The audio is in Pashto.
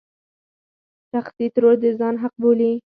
شخصيتي ترور د ځان حق بولي.